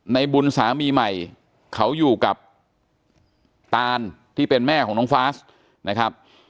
ในบุญสามีใหม่เขาอยู่กับตานที่เป็นแม่ของน้องฟาสนะครับ